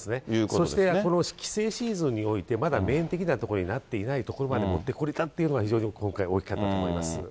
そしてこの帰省シーズンにおいて、まだ面的なところになっていないところまで持ってこれたというのは非常に今回、大きかったと思います。